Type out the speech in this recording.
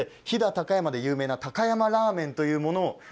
猫助拉麺、飛騨高山で有名な高山ラーメンというもの